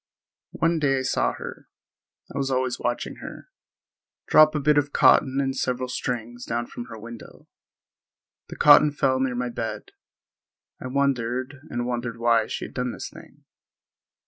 One day I saw her—I was always watching her—drop a bit of cotton and several strings down from her window. The cotton fell near my bed. I wondered and wondered why she had done this thing.